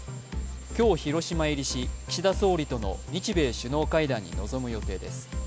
今日広島入りし、岸田総理との日米首脳会談に臨む予定です。